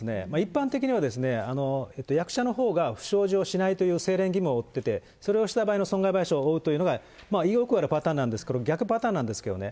一般的には役者のほうが不祥事をしないというせいれん義務を負ってて、それをした場合の損害賠償を負うというのが、よくあるパターンなんですけど、逆パターンなんですよね。